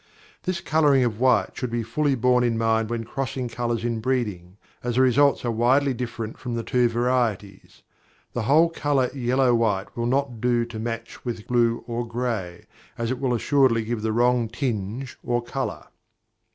This colouring of white should be fully borne in mind when crossing colours in breeding, as the results are widely different from the two varieties. The whole colour yellow white will not do to match with blue or gray, as it will assuredly give the wrong tinge or colour.